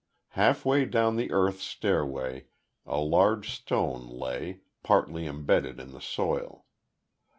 Halfway down the earth stairway a large stone lay, partly embedded in the soil.